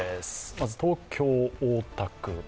まず、東京・大田区。